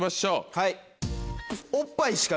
はい。